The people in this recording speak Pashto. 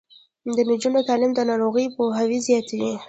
د نجونو تعلیم د ناروغیو پوهاوي زیاتوي.